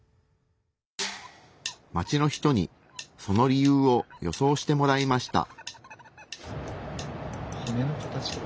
街の人にその理由を予想してもらいました。